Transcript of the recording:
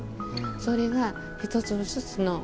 それが１粒ずつの。